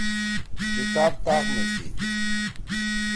کتاب طاق می تھی۔